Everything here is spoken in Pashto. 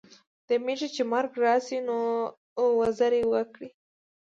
د میږي چي مرګ راسي نو، وزري وکړي.